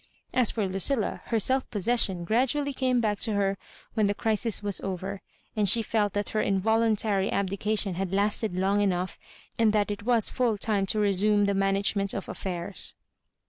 As for Lucilla, her self possession gradually came back to her when the crisis was over, and she felt that her involuntary abdica tion had lasted long enough, and that it was full time to resume the management of afiGEurs.